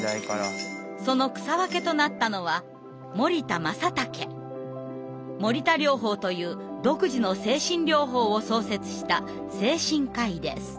その草分けとなったのは森田療法という独自の精神療法を創設した精神科医です。